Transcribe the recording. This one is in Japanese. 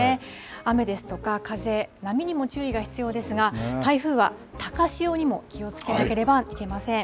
雨ですとか風、波にも注意が必要ですが台風は高潮にも気をつけなければいけません。